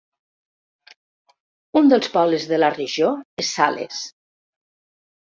Un dels pobles de la regió és Sales.